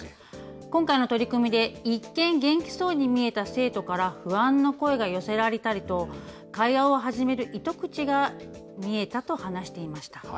今回の取り組みで一見、元気そうに見えた生徒から不安の声が寄せられたりと、会話を始める糸口が見えたと話していました。